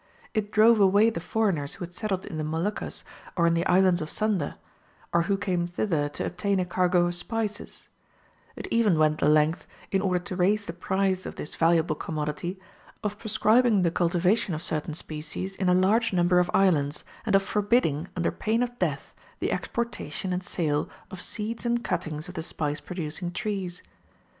It drove away the foreigners who had settled in the Moluccas or in the Islands of Sunda, or who came thither to obtain a cargo of spices; it even went the length, in order to raise the price of this valuable commodity, of proscribing the cultivation of certain species in a large number of islands, and of forbidding, under pain of death, the exportation and sale of seeds and cuttings of the spice producing trees.